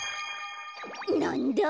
なんだ？